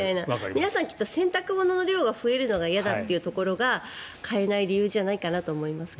皆さん、きっと洗濯物の量が増えるのが嫌だというところが替えない理由じゃないかなと思いますが。